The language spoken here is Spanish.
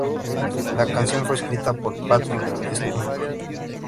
La canción fue escrita por Patrick Stump.